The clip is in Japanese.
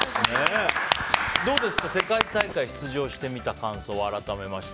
どうですか世界大会出場してみた感想は改めまして。